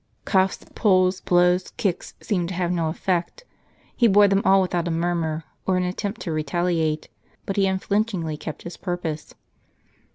Cuffs, jduIIs, blows, kicks seemed to have no effect. He bore them all without a murmur, or an attempt to retaliate ; but he unflinchingly kept his purpose.